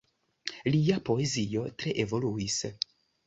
Lia poezio tre evoluis.